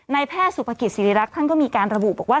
แพทย์สุภกิจศิริรักษ์ท่านก็มีการระบุบอกว่า